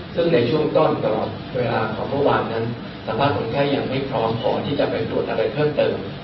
ซึ่งในช่วงต้นตลอดเวลาของเมื่อวานนั้นสภาพคนไข้ยังไม่พร้อมพอที่จะไปตรวจอะไรเพิ่มเติม